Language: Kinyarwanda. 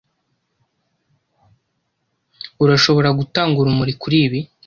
Urashobora gutanga urumuri kuri ibi?